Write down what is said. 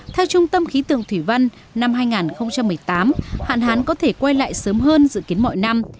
theo trung tâm khí tượng thủy văn năm hai nghìn một mươi tám hạn hán có thể quay lại sớm hơn dự kiến mọi năm